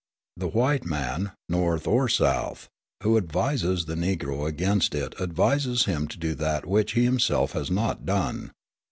The white man, North or South, who advises the Negro against it advises him to do that which he himself has not done.